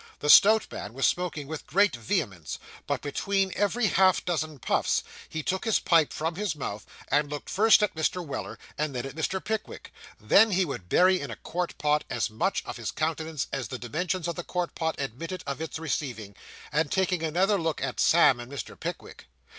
The stout man was smoking with great vehemence, but between every half dozen puffs, he took his pipe from his mouth, and looked first at Mr. Weller and then at Mr. Pickwick. Then, he would bury in a quart pot, as much of his countenance as the dimensions of the quart pot admitted of its receiving, and take another look at Sam and Mr. Pickwick.